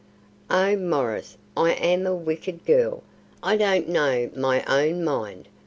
"Oh, Maurice, I am a wicked girl! I don't know my own mind.